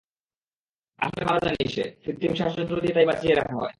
আসলে মারা যায়নি সে, কৃত্রিম শ্বাসযন্ত্র দিয়ে তাই বাঁচিয়ে রাখা হয়।